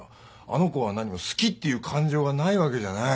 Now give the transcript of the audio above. あの子は何も好きっていう感情がないわけじゃない。